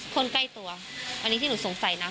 คนใกล้ตัวอันนี้ที่หนูสงสัยนะ